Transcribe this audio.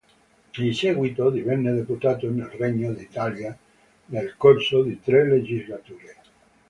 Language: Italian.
In seguito divenne deputato nel Regno d'Italia nel corso di tre legislature.